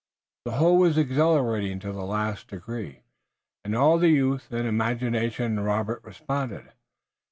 The whole was exhilarating to the last degree, and all the youth and imagination in Robert responded.